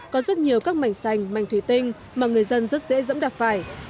có rất nhiều các mảnh xanh mảnh thủy tinh mà người dân rất dễ dẫm đặt phải